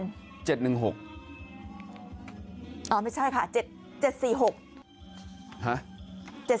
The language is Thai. ๗๑๖อ่อไม่ใช่ค่ะเจ็ด๗๔๖